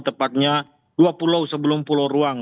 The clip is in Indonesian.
tepatnya dua pulau sebelum pulau ruang